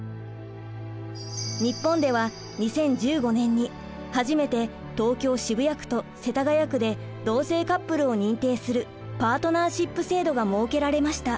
日本では２０１５年に初めて東京・渋谷区と世田谷区で同性カップルを認定するパートナーシップ制度が設けられました。